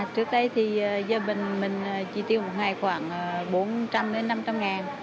trước đây thì gia đình mình chi tiêu một ngày khoảng bốn trăm linh năm trăm linh ngàn